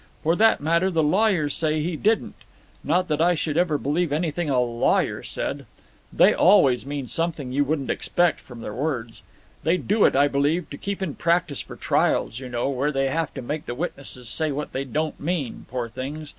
For that matter the lawyers say he didn't not that I should ever believe anything a lawyer said. They always mean something you wouldn't expect from their words. They do it, I believe, to keep in practice for trials, you know, where they have to make the witnesses say what they don't mean, poor things.